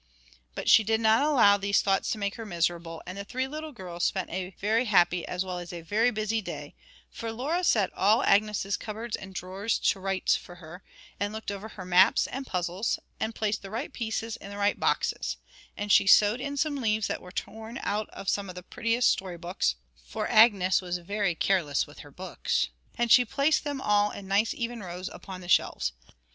But she did not allow these thoughts to make her miserable, and the three little girls spent a very happy as well as a very busy day, for Laura set all Agnes's cupboards and drawers to rights for her, and looked over her maps and puzzles, and placed the right pieces in the right boxes; and she sewed in some leaves that were torn out of some of the prettiest story books, for Agnes was very careless with her books, and she placed them all in nice even rows upon the shelves.